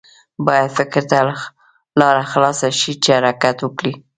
باید فکر ته لاره خلاصه شي چې حرکت وکړي.